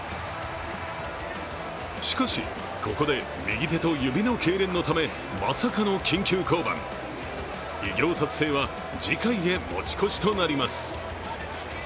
しかし、ここで、右手と指のけいれんのため、まさかの緊急降板偉業達成は次回へ持ち越しとなります。